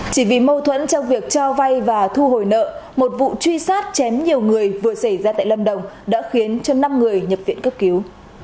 chỉ vì mâu thuẫn trong việc cho vay và thu hồi nợ một vụ truy sát chém nhiều người vừa xảy ra tại lâm đồng đã khiến cho năm người nhập viện cấp cứu